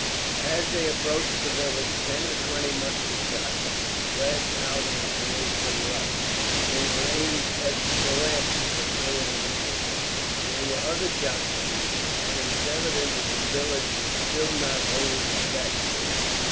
As they approached the village, ten or twelve musket shots flashed out in the fields to the right. They were aimed at the lantern, but no one was hurt. There were other shots from Lissa, and it was evident that the village was still not wholly evacuated.